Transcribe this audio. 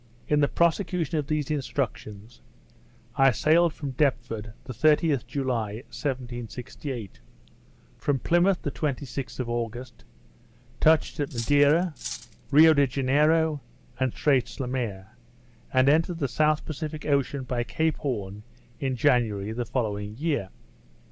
In the prosecution of these instructions, I sailed from Deptford the 30th July, 1768; from Plymouth the 26th of August, touched at Madeira, Rio de Janeiro, and Straits Le Maire, and entered the South Pacific Ocean by Cape Horn in January the following year.